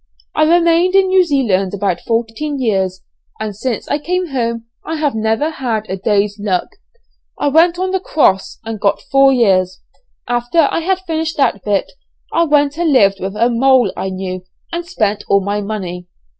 I remained in New Zealand about fourteen years, and since I came home I have never had a day's luck; I went on the 'cross,' and got four years; after I had finished that bit, I went and lived with a 'moll' I knew, and spent all my money.